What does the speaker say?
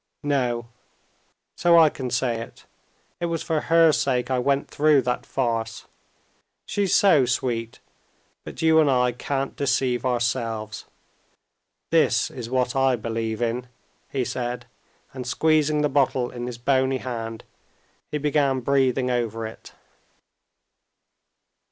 "No; so I can say it.... It was for her sake I went through that farce. She's so sweet; but you and I can't deceive ourselves. This is what I believe in," he said, and, squeezing the bottle in his bony hand, he began breathing over it.